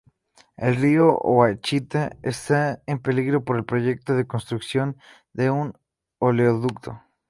El río Ouachita está en peligro por el proyecto de construcción de un oleoducto.